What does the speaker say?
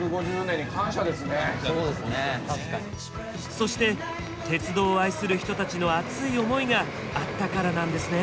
そして鉄道を愛する人たちの熱い思いがあったからなんですね。